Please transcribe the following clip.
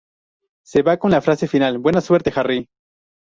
Se va con la frase final, "Buena suerte, Harry".